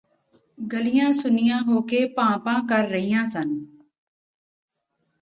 ਗਲੀਆਂ ਸੁੰਨੀਆਂ ਹੋ ਕੇ ਭਾਂਅ ਭਾਂਅ ਕਰ ਰਹੀਆਂ ਸਨ